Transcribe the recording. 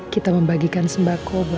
kamu pernah bantu saya mengelola